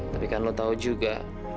tapi kan lo tau juga